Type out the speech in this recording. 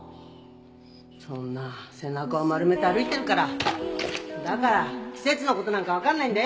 そんな背中を丸めて歩いてるからだから季節の事なんかわかんないんだよ！